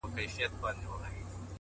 اې د ویدي د مست سُرود او اوستا لوري؛